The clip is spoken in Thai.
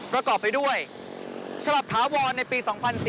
ระกอบไปด้วยฉบับทวในปี๒๔๗๕